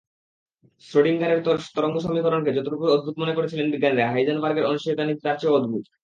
শ্রোডিংগারের তরঙ্গ সমীকরণকে যতটুকু অদ্ভুত মনে করেছিলেন বিজ্ঞানীরা, হাইজেনবার্গের অনিশ্চয়তা–নীতি তার চেয়েও অদ্ভুত।